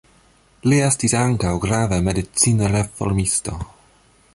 Li estis ankaŭ grava medicina reformisto.